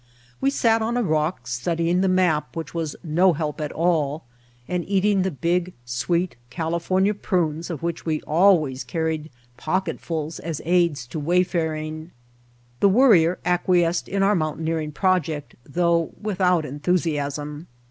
We sat on a rock studying the map, which was no help at all, and eating the big, sweet, Cali fornia prunes of which we always carried pock ets full as aids to wayfaring. The Worrier acquiesced in our mountaineering project, though without enthusiasm.